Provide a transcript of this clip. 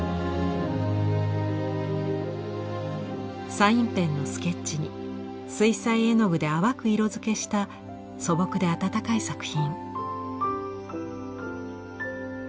サインペンのスケッチに水彩絵の具で淡く色づけした素朴で温かい作品。